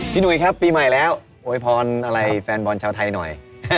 หนุ่ยครับปีใหม่แล้วโวยพรอะไรแฟนบอลชาวไทยหน่อย